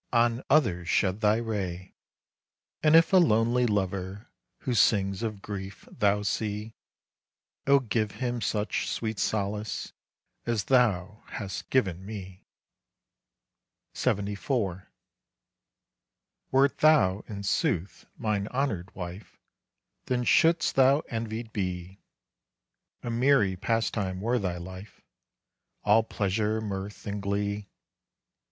On others shed thy ray. "And if a lonely lover Who sings of grief, thou see, Oh give him such sweet solace As thou hast given me." LXXIV. Wert thou, in sooth, mine honored wife, Then shouldst thou envied be; A merry pastime were thy life All pleasure, mirth, and glee.